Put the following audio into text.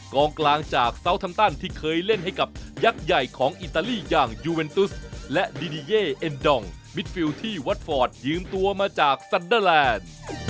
กลางกลางจากเตาทัมตันที่เคยเล่นให้กับยักษ์ใหญ่ของอิตาลีอย่างยูเวนตุสและดินิเย่เอ็นดองมิดฟิลที่วัดฟอร์ดยืมตัวมาจากซันเดอร์แลนด์